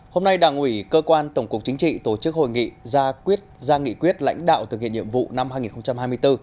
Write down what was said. hôm nay đảng ủy cơ quan tổng cục chính trị tổ chức hội nghị ra quyết nghị quyết lãnh đạo thực hiện nhiệm vụ năm hai nghìn hai mươi bốn